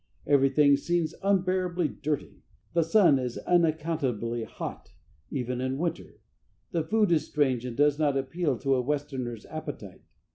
Everything seems unbearably dirty; the sun is unaccountably hot, even in winter; the food is strange and does not appeal to a Westerner's appetite.